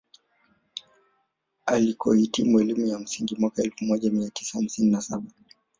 Alikohitimu elimu ya msingi mwaka elfu moja mia tisa hamsini na saba